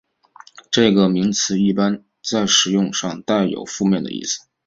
这个名词一般在使用上带有负面的意思。